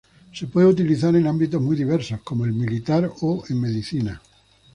Se puede utilizar en ámbitos muy diversos, como el militar o en medicina.